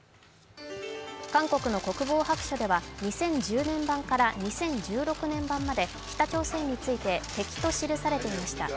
韓国の国防白書では２０１０年版から２０１６年版まで北朝鮮について敵と記されていました。